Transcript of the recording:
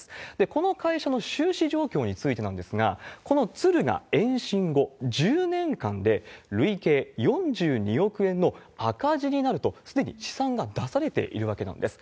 この会社の収支状況についてなんですが、この敦賀延伸後、１０年間で累計４２億円の赤字になると、すでに試算が出されているわけなんです。